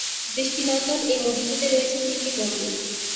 দৃষ্টিনন্দন এ মসজিদে রয়েছে তিনটি গম্বুজ।